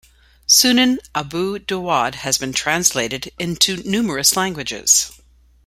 "Sunan Abu Dawud" has been translated into numerous languages.